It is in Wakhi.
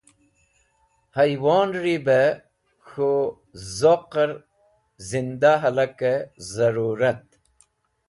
Hey wonri bẽ k̃hũ zoqẽr zinda hẽlakẽ zẽrũrat.